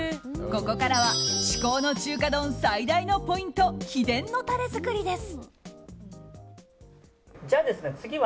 ここからは至高の中華丼最大のポイント秘伝のタレ作りです。